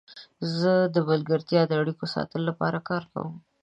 زه د ملګرتیا د اړیکو ساتلو لپاره کار کوم.